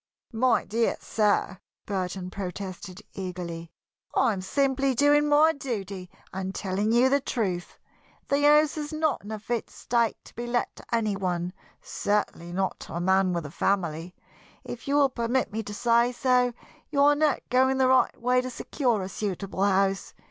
"My dear sir!" Burton protested, eagerly. "I am simply doing my duty and telling you the truth. The house is not in a fit state to be let to any one certainly not to a man with a family. If you will permit me to say so, you are not going the right way to secure a suitable house.